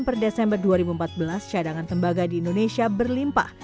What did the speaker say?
per desember dua ribu empat belas cadangan tembaga di indonesia berlimpah